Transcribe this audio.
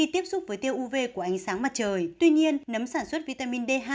tuy nhiên nấm sản xuất vitamin d hai